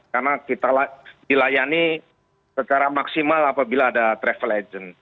karena kita dilayani secara maksimal apabila ada travel agent